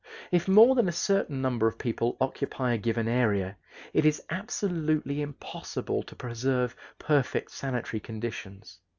If more than a certain number of people occupy a given area, it is absolutely impossible to preserve perfect sanitary conditions.